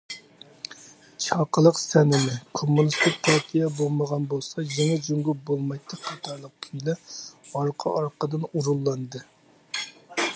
« چاقىلىق سەنىمى»« كوممۇنىستىك پارتىيە بولمىسا، يېڭى جۇڭگو بولمايتتى» قاتارلىق كۈيلەر ئارقا- ئارقىدىن ئورۇنلاندى.